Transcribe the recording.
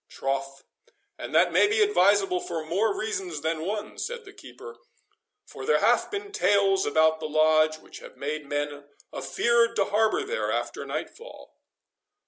"Troth, and that may be advisable for more reasons than one," said the keeper; "for there have been tales about the Lodge which have made men afeard to harbour there after nightfall."